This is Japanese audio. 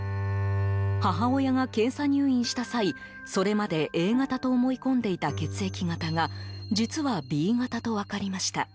母親が検査入院した際それまでＡ型と思い込んでいた血液型が実はＢ型と分かりました。